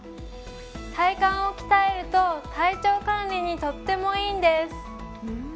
体幹を鍛えると体調管理にとてもいいんです。